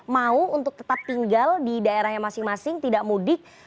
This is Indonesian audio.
mau untuk tetap tinggal di daerahnya masing masing tidak mudik